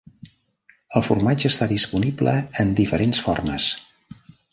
El formatge està disponible en diferents formes.